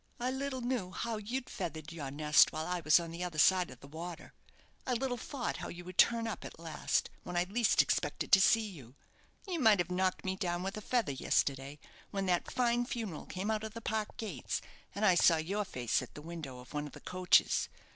I little knew how you'd feathered your nest while I was on the other side of the water. I little thought how you would turn up at last, when I least expected to see you. You might have knocked me down with a feather yesterday, when that fine funeral came out of the park gates, and I saw your face at the window of one of the coaches.